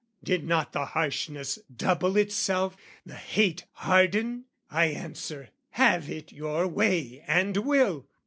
"Did not the harshness double itself, the hate "Harden?" I answer "Have it your way and will!"